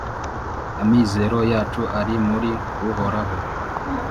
amizero yacu ari muri Uhoraho.